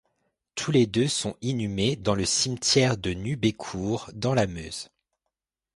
Tous les deux sont inhumés dans le cimetière de Nubécourt, dans la Meuse.